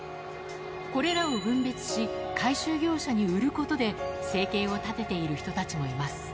これらを分別し、回収業者に売ることで生計を立てている人たちもいます。